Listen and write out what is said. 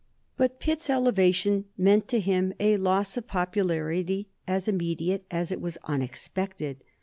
But Pitt's elevation meant to him a loss of popularity as immediate as it was unexpected.